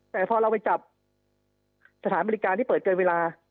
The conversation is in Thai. แต่พอเราไปจับสถานบริการที่เปิดเกินเวลา